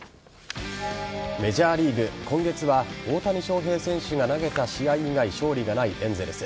メジャーリーグ今月は大谷翔平選手が投げた試合以外勝利がないエンゼルス。